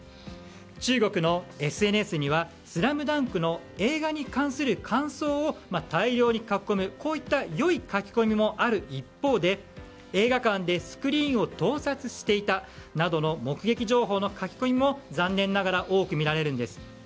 中国のＳＮＳには「ＳＬＡＭＤＵＮＫ」の映画に関する感想を大量に書き込むこういった良い書き込みもある一方で映画館でスクリーンを盗撮していたなどの目撃情報の書き込みも残念ながら多く見られるんです。